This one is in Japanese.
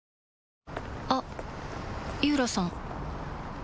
あっ井浦さん